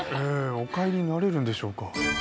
お帰りになれるんでしょうか？